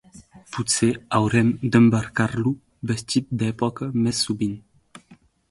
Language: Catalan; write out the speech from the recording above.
Potser haurem d'embarcar-lo vestit d'època més sovint.